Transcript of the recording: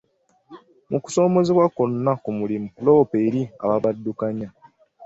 Mu kusomoozebwa kwonna ku mulimu, loopa eri abaabaddukanya.